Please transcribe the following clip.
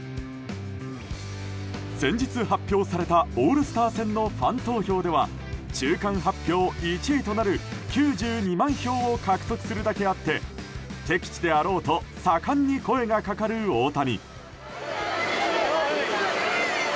先日発表されたオールスター戦のファン投票では中間発表１位となる９２万票を獲得するだけあって敵地であろうと盛んに声がかかる大谷。